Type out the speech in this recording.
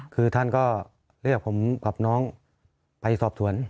คือท่านก็เรียกผมกับน้องไปสอบสวน